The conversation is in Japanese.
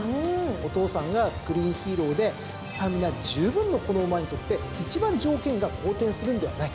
お父さんがスクリーンヒーローでスタミナ十分のこの馬にとって一番条件が好転するんではないか。